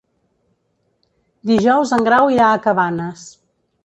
Dijous en Grau irà a Cabanes.